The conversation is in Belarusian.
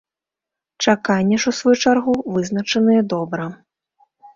Чакання ж, у сваю чаргу, вызначаныя добра.